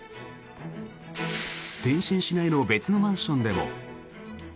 天津市内の別のマンションでも。